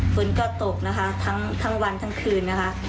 ฝนก็ตกนะคะทั้งวันทั้งคืนนะคะ